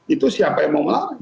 itu siapa yang mau